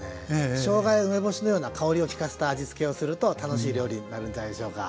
しょうがや梅干しのような香りを効かせた味つけをすると楽しい料理になるんじゃないでしょうか。